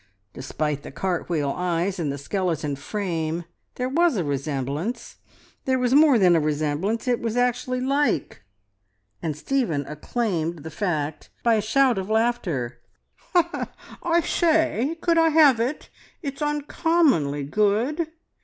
Despite the cart wheel eyes and the skeleton frame there was a resemblance there was more than a resemblance, it was actually like, and Stephen acclaimed the fact by a shout of laughter. "I say! Could I have it? It's uncommonly good!"